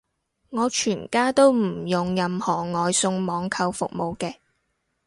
我全家都唔用任何外送網購服務嘅